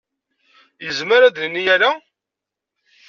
Yezmer ad d-nini ala?